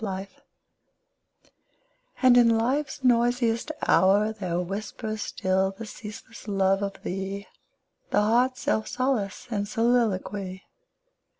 25 And in Life's noisiest hour There whispers still the ceaseless love of thee, The heart's self solace } and soliloquy.